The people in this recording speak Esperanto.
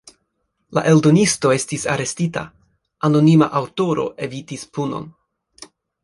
La eldonisto estis arestita, anonima aŭtoro evitis punon.